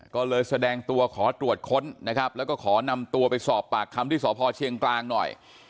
ก็เลยแสดงตัวขอตรวจค้นนะครับแล้วก็ขอนำตัวไปสอบปากคำที่สพเชียงกลางหน่อย